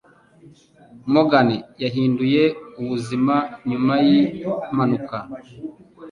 Morgan yahinduye ubuzima nyuma yimpanuka